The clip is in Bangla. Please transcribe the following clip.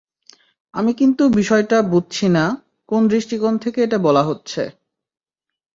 আমি কিন্তু বিষয়টা বুঝছি না, কোন দৃষ্টিকোণ থেকে এটা বলা হচ্ছে।